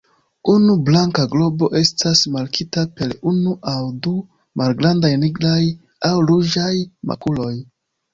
Unu blanka globo estas markita per unu aŭ du malgrandaj nigraj aŭ ruĝaj makuloj.